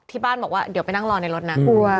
ที่บ้านบอกว่าเดี๋ยวไปนั่งรอในรถนะกลัว